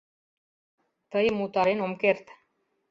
— Тыйым утарен ом керт.